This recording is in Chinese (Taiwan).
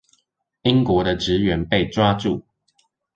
英國的職員被抓住